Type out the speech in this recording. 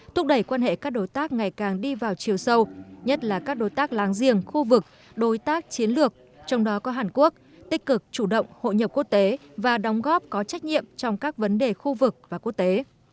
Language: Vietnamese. thúc đẩy quan hệ các đối tác ngày càng đi vào chiều sâu nhất là các đối tác láng giềng khu vực đối tác chiến lược trong đó có hàn quốc tích cực chủ động hội nhập quốc tế và đóng góp có trách nhiệm trong các vấn đề khu vực và quốc tế